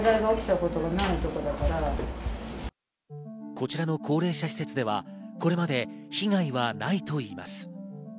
こちらの高齢者施設では、これまで被害はないといいます。